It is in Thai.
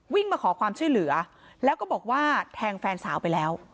มาขอความช่วยเหลือแล้วก็บอกว่าแทงแฟนสาวไปแล้ว